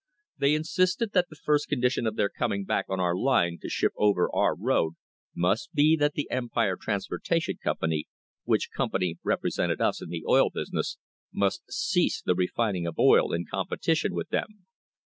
They insisted that the first condition of their coming back on our line to ship over our road must be that the Empire Transportation Company, which company represented us in the oil business, must cease the refining of oil in competition with them.